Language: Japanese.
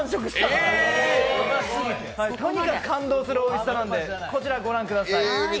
そこまで感動するおいしさなんで、こちらご覧ください。